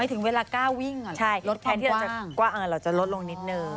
ไม่ถึงเวลากล้าวิ่งลดความกว้างใช่แทนที่จะกว้างเราจะลดลงนิดนึง